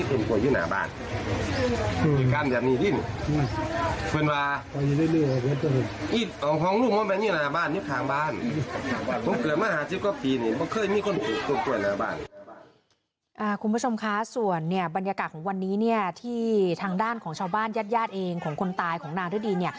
ทางด้านของชาวบ้านใช้ด้านบ้านแยกของคนตายของนางฤดี